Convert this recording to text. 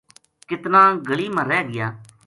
کتنا گلی ما رہ گیا